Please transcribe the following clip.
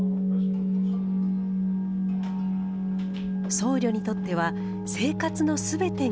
僧侶にとっては生活のすべてが修行。